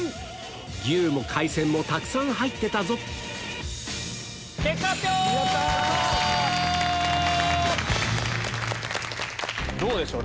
牛も海鮮もたくさん入ってたぞどうでしょう？